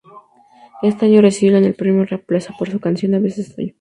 Ese año recibieron el premio Rap Plaza por su canción A veces sueño.